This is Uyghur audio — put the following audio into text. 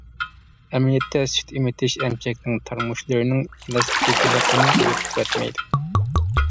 ئەمەلىيەتتە سۈت ئېمىتىش ئەمچەكنىڭ تارىمۇشلىرىنىڭ ئېلاستىكلىقىنى يوقىتىۋەتمەيدۇ.